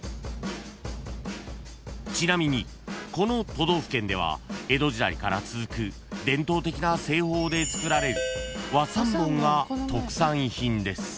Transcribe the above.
［ちなみにこの都道府県では江戸時代から続く伝統的な製法でつくられる和三盆が特産品です］